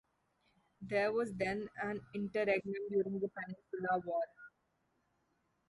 There was then an interregnum during the Peninsular War.